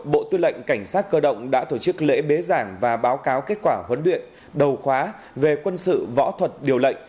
bộ tư lệnh cảnh sát cơ động đã tổ chức lễ bế giảng và báo cáo kết quả huấn luyện đầu khóa về quân sự võ thuật điều lệnh